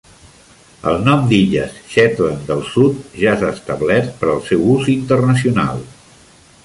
El nom d'Illes Shetland del Sud ja s'ha establert per al seu ús internacional.